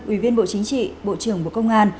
ủy viên bộ chính trị bộ trưởng bộ công an